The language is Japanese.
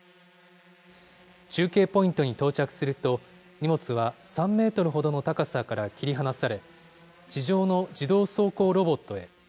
中継ポイントに到着すると、荷物は３メートルほどの高さから切り離され、地上の自動走行ロボットへ。